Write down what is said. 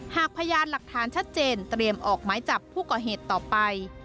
หากพยานหลักฐานชัดเจนเตรียมออกหมายจับผู้ก่อเหตุต่อไป